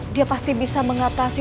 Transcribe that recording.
dia pasti bisa mengatasi